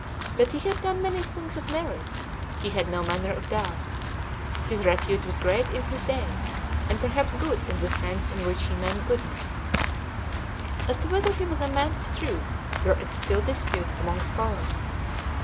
That he had done many things of merit, he had no manner of doubt. His repute was great in his day, and perhaps good in the sense in which he meant goodness; as to whether he was a man of truth, there is still dispute among scholars.